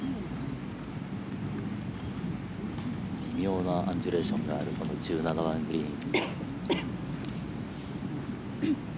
微妙なアンジュレーションがあるこの１７番グリーン。